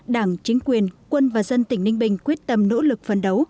đảng chính quyền quân và dân tỉnh ninh bình quyết tâm nỗ lực phấn đấu